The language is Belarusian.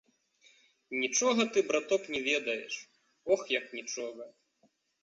Нічога ты, браток, не ведаеш, ох, як нічога!